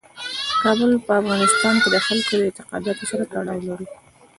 کابل په افغانستان کې د خلکو د اعتقاداتو سره تړاو لري.